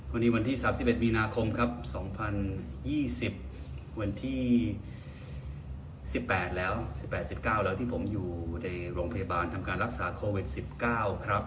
วันนี้วันที่๓๑มีนาคมครับ๒๐๒๐วันที่๑๘แล้ว๑๘๑๙แล้วที่ผมอยู่ในโรงพยาบาลทำการรักษาโควิด๑๙ครับ